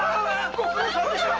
ご苦労さまでした。